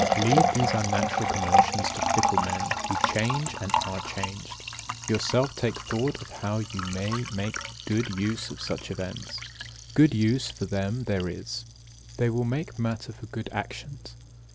Leave these unnatural commotions to fickle men who change and are changed. Yourself take thought how you may make good use of such events. Good use for them there is; they will make matter for good actions.